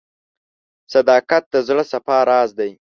• صداقت د زړه د صفا راز دی.